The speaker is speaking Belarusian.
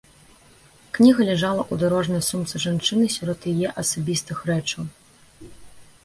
Кніга ляжала ў дарожнай сумцы жанчыны сярод яе асабістых рэчаў.